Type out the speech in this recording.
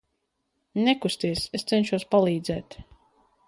Nekusties, es cenšos palīdzēt.